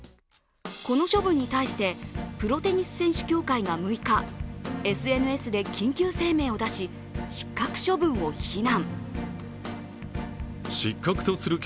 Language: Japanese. この処分に対してプロテニス選手協会が６日、ＳＮＳで緊急声明を出し、失格処分を非難。